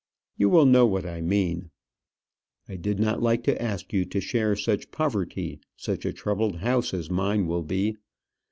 You will know what I mean. I did not like to ask you to share such poverty, such a troubled house as mine will be.